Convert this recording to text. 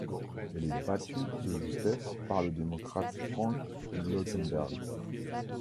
Elle est battue de justesse par le démocrate Frank Lautenberg.